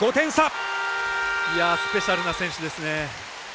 スペシャルな選手ですね。